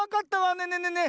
ねえねえねえねえ